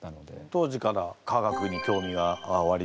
当時から科学に興味がおありで？